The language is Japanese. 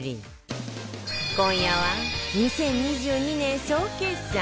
今夜は２０２２年総決算！